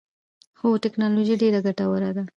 هو، تکنالوجی ډیره ګټوره ده